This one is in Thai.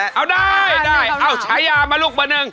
เอาได้เอาฉายามาลุกมาหนึ่ง